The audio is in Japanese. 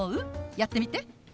やってみて！